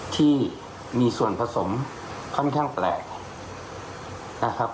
ที่มีส่วนผสมค่อนข้างแปลกนะครับ